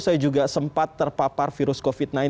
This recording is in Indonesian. saya juga sempat terpapar virus covid sembilan belas